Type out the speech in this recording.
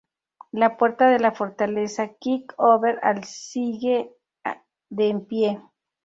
La puerta de la fortaleza Kyk-over-al sigue en pie.